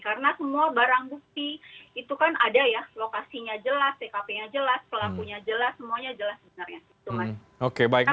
karena semua barang bukti itu kan ada ya lokasinya jelas pkp nya jelas pelakunya jelas semuanya jelas sebenarnya